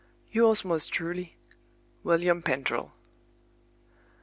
"Yours most truly, "WILLIAM PENDRIL."